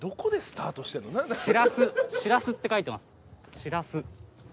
「しらす」って書いてます。